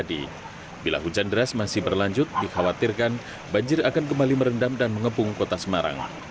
jadi bila hujan deras masih berlanjut dikhawatirkan banjir akan kembali merendam dan mengepung kota semarang